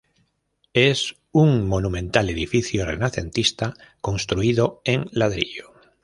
Es un monumental edificio renacentista construido en ladrillo.